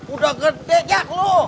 udah gede jak lu